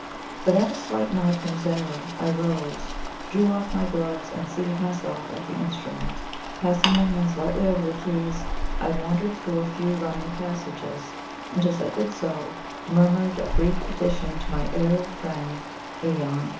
But at a slight nod from Zara, I rose, drew off my gloves, and seated myself at the instrument. Passing my hands lightly over the keys, I wandered through a few running passages; and as I did so, murmured a brief petition to my aerial friend Aeon.